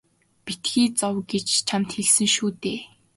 Битгий зов гэж би чамд хэлсэн шүү дээ.